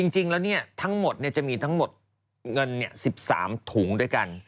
จริงแล้วทั้งหมดจะมีทั้งหมดเงิน๑๓ถุงด้วยกัน